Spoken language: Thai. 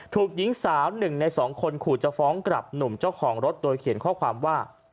ถูกหญิงสาว๑ใน๒คนขู่จะฟ้องกลับหนุ่มเจ้าของรถโดยเขียนข้อความว่า